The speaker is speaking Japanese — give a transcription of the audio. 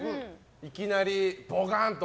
いきなりドカンと。